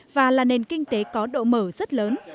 và là nền kinh tế có độ mở rất lớn